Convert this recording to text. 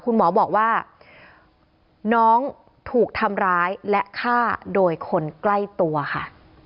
คุณหมอบอกว่าน้องถูกทำร้ายและฆ่าโดยคนใกล้ตัวค่ะ